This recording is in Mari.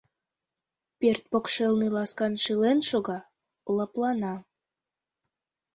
Пӧрт покшелне ласкан шӱлен шога, лыплана.